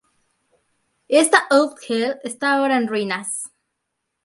Esta "Old Hall" está ahora en ruinas.